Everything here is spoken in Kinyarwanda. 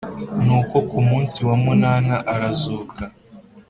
Nuko ku munsi wa munani arazuka